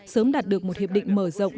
sớm đạt được một hiệp định mở rộng